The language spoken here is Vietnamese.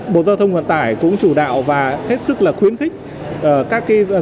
bộ giao thông vận tải cũng chủ đạo và hết sức là khuyến khích các doanh nghiệp